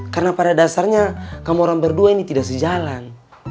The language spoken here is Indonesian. karena pada dasarnya kamu orang berdua ini tidak sejalan